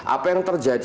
apa yang terjadi